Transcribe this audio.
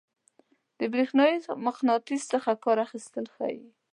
د برېښنايي مقناطیس څخه کار اخیستل ښيي.